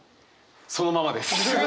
そのままです。